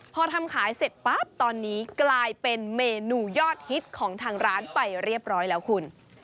พอทำขายเสร็จปั๊บตอนนี้กลายเป็นเมนูยอดฮิตของทางร้านไปเรียบร้อยแล้วคุณ